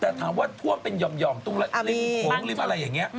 แต่ถามว่าท่วมเป็นหย่อมตรงริมโขงริมอะไรอย่างนี้